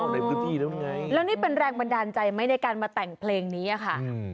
ในพื้นที่แล้วไงแล้วนี่เป็นแรงบันดาลใจไหมในการมาแต่งเพลงนี้อะค่ะ